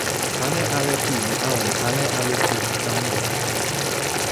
ale ale tu li awen ale ale tu, tan ni.